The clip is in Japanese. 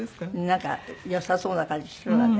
なんかよさそうな感じするわね。